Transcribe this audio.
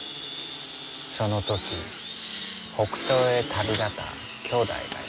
その時北東へ旅立ったきょうだいがいた。